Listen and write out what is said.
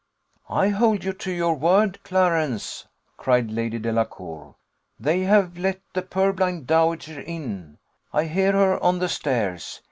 "I hold you to your word, Clarence," cried Lady Delacour. "They have let the purblind dowager in; I hear her on the stairs.